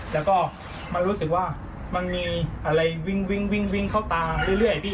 แล้วก็มันรู้สึกว่ามันมีอะไรวิ่งเข้าตาเรื่อยพี่